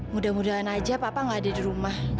mudah mudahan aja papa gak ada di rumah